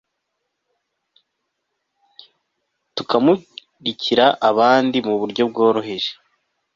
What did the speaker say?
tukamurikira abandi Mu Buryo Bworoheje